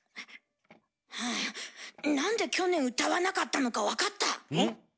ハァなんで去年歌わなかったのか分かった。